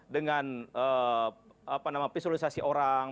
dengan visualisasi orang